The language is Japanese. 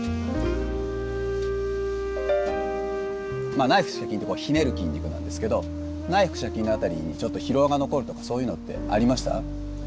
まあ内腹斜筋ってこうひねる筋肉なんですけど内腹斜筋の辺りにちょっと疲労が残るとかそういうのってありました？